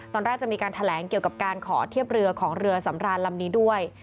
ตอนแรกจะมีการแถลงเกี่ยวกับการขอเทียบเรือของเรือสำรานลำนี้ด้วย